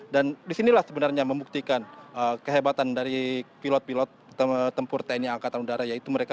dan disinilah sebenarnya membuktikan kehebatan dari pilot pilot tempur tni angkatan udara